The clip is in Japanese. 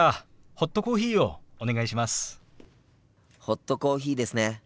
ホットコーヒーですね。